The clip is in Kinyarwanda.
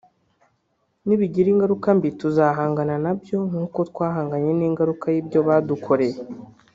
nibigira ingaruka mbi tuzahangana nayo nkuko twahanganye n’ingaruka y’ibyo badukoreye